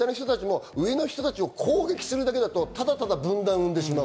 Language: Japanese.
下の人も上の人を攻撃するだけだと、ただただ分断を生んでしまう。